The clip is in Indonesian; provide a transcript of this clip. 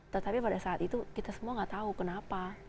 tetapi pada saat itu kita semua nggak tahu kenapa